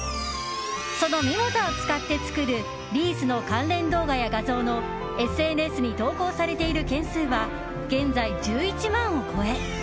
そのミモザを使って作るリースの関連動画や画像のＳＮＳに投稿されている件数は現在、１１万を超え